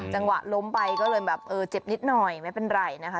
จังหวะล้มไปก็เลยแบบเออเจ็บนิดหน่อยไม่เป็นไรนะคะ